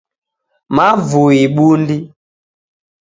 Mavui bundi